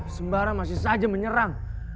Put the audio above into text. sembara masih saja menyerang